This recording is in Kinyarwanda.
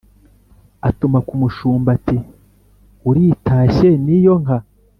atuma ku mushumba ati: “uritashye n’iyo nka!